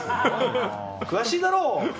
詳しいだろ！